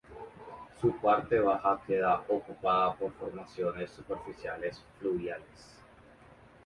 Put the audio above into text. Su parte baja queda ocupada por formaciones superficiales fluviales.